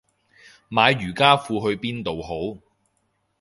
買瑜伽褲去邊度好